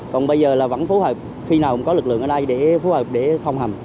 còn bây giờ là vẫn phối hợp khi nào cũng có lực lượng ở đây để phù hợp để thông hầm